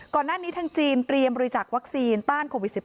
ก่อนหน้านี้ทางจีนเตรียมบริจักษ์วัคซีนต้านโควิด๑๙